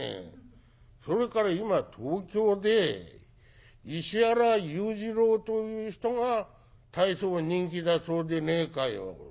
それから今東京で石原裕次郎という人が大層人気だそうでねえかよ。